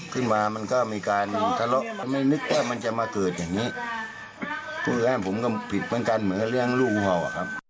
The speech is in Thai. ก็เลยให้ผมพิษเหมือนการเลี้ยงลูกหัว